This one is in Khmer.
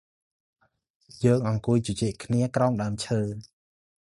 យើងអង្គុយជជែកគ្នាក្រោមដើមឈើ។